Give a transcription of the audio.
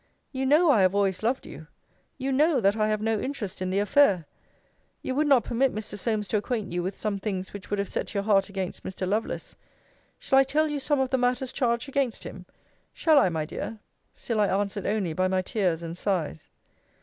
You know I have always loved you. You know, that I have no interest in the affair. You would not permit Mr. Solmes to acquaint you with some things which would have set your heart against Mr. Lovelace. Shall I tell you some of the matters charged against him? shall I, my dear? Still I answered only by my tears and sighs.